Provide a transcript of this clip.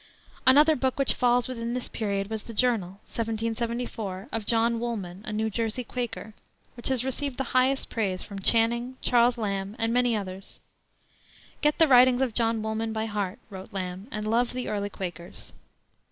Another book which falls within this period was the Journal, 1774, of John Woolman, a New Jersey Quaker, which has received the highest praise from Channing, Charles Lamb, and many others. "Get the writings of John Woolman by heart," wrote Lamb, "and love the early Quakers."